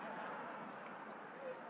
jadi kita berbicara tentang ini